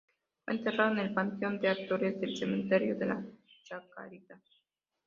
Fue enterrado en el Panteón de Actores del Cementerio de la Chacarita.